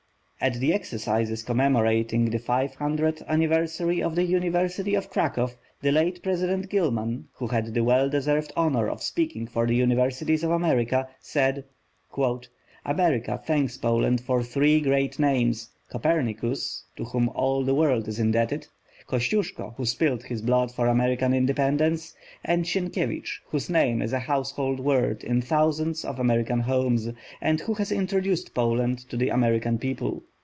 At the exercises commemorating the five hundredth anniversary of the University of Cracow, the late President Gilman, who had the well deserved honour of speaking for the universities of America, said: "America thanks Poland for three great names: Copernicus, to whom all the world is indebted; Kosciuszko, who spilled his blood for American independence; and Sienkiewicz, whose name is a household word in thousands of American homes, and who has introduced Poland to the American people."